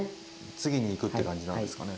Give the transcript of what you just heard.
次に行くって感じなんですかね。